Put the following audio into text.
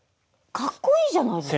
かっこいいじゃないですか。